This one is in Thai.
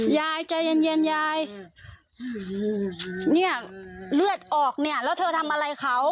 ยายใจเย็นเย็นยายเนี่ยเลือดออกเนี่ยแล้วเธอทำอะไรเขา